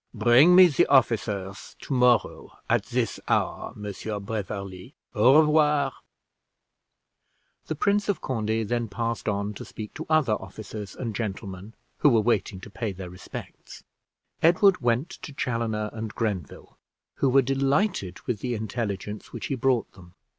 "Bring me the officers to morrow at this hour, Monsieur Beverley au revoir." The Prince of Conde then passed on to speak to other officers and gentlemen who were waiting to pay their respects. Edward went to Chaloner and Grenville, who were delighted with the intelligence which he brought them.